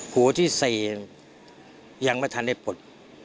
หูที่สี่ยังมาทันได้ปลด